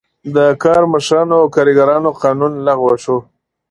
د کارمشرانو او کارګرانو قانون لغوه شو.